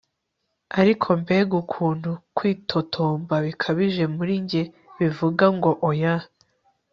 Ariko mbega ukuntu kwitotomba bikabije muri njye bivuga ngo Oya